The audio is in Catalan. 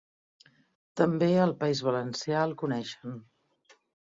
També al País Valencià el coneixen.